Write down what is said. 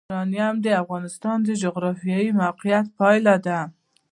یورانیم د افغانستان د جغرافیایي موقیعت پایله ده.